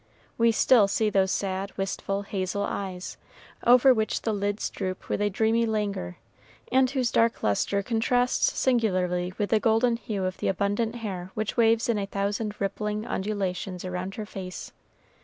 We still see those sad, wistful, hazel eyes, over which the lids droop with a dreamy languor, and whose dark lustre contrasts singularly with the golden hue of the abundant hair which waves in a thousand rippling undulations around her face.